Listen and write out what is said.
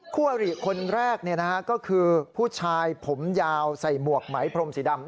คู่อริคนแรกก็คือผู้ชายผมยาวใส่หมวกไหมพรมสีดำ